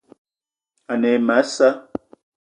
Ane e ma a sa'a